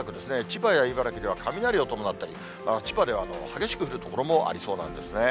千葉や茨城では雷を伴ったり、千葉では激しく降る所もありそうなんですね。